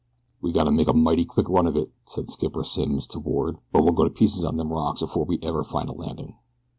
"We gotta make a mighty quick run of it," said Skipper Simms to Ward, "or we'll go to pieces on them rocks afore ever we find a landing."